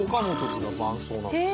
’Ｓが伴奏なんです。